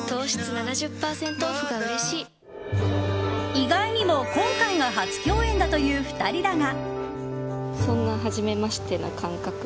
意外にも今回が初共演だという２人だが。